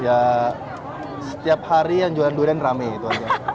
ya setiap hari yang jualan durian rame gitu aja